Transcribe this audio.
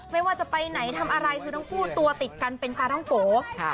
ไม่ว่าจะไปไหนทำอะไรคือทั้งคู่ตัวติดกันเป็นปลาท้องโก